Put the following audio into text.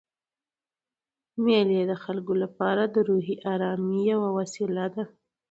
مېلې د خلکو له پاره د روحي آرامۍ یوه وسیله ده.